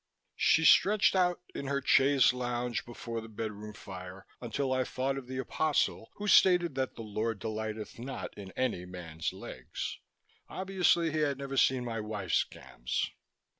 She stretched out in her chaise longue before the bedroom fire until I thought of the Apostle who stated that the Lord delighteth not in any man's legs. Obviously, he had never seen my wife's gams.